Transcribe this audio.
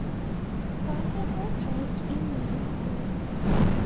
Parker was raised in Liverpool.